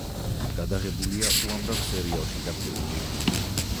გადაღებულია უამრავ სერიალში და ფილმში.